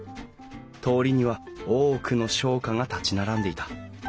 通りには多くの商家が立ち並んでいた。